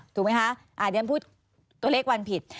ถูกไหมคะอ่านนี้พูดตัวเลขวันผิด